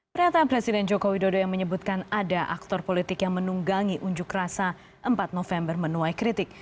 pernyataan presiden joko widodo yang menyebutkan ada aktor politik yang menunggangi unjuk rasa empat november menuai kritik